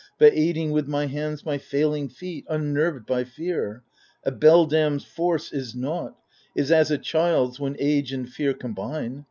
But aiding with my hands my failing feet. Unnerved by fear. A beldame's force is naught — Is as a child's, when age and fear combine.